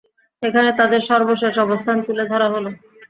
এখানে তাঁদের সর্বশেষ অবস্থান তুলে ধরা হলো।